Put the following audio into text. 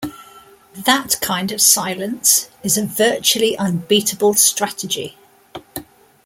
That kind of silence is a virtually unbeatable strategy.